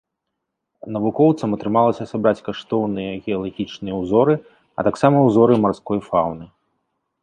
Навукоўцам атрымалася сабраць каштоўныя геалагічныя ўзоры, а таксама ўзоры марской фауны.